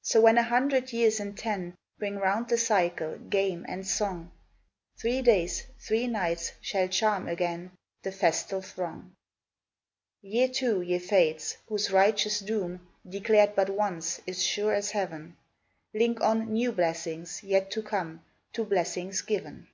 So when a hundred years and ten Bring round the cycle, game and song Three days, three nights, shall charm again The festal throng. Ye too, ye Fates, whose righteous doom, Declared but once, is sure as heaven, Link on new blessings, yet to come, To blessings given!